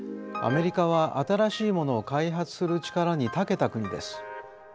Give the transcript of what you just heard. アメリカは新しいものを開発する力にたけた国です。